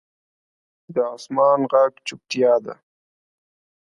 د اسمان ږغ چوپتیا ده.